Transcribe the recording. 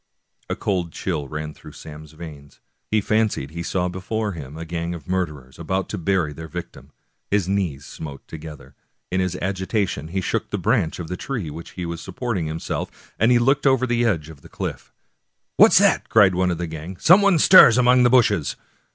A cold chill ran through Sam's veins. He fancied he saw before him a gang of murderers, about to bury their victim. His knees smote together. In his agitation he shook the branch of a tree with which he was supporting himself as he looked over the edge of the clifif. " What's that? " cried one of the gang. " Some one stirs among the bushes